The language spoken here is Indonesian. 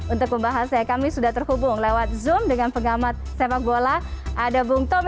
untuk pembahasannya kami sudah terhubung lewat zoom dengan pengamat sepak bola